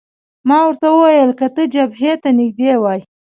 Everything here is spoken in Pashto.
ما ورته وویل: که ته جبهې ته نږدې وای.